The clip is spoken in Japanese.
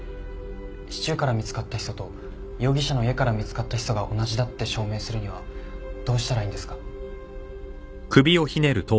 シチューから見つかったヒ素と容疑者の家から見つかったヒ素が同じだって証明するにはどうしたらいいんですか？